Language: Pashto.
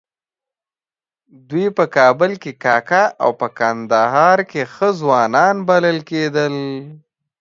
دوی په کابل کې کاکه او په کندهار کې ښه ځوان بلل کېدل.